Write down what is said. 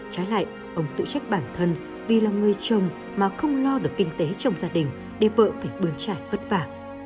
trái lại ông tự trách bản thân vì là người chồng mà không lo được kinh tế trong gia đình để vợ phải bươn trải vất vả